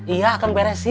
iya akan beresin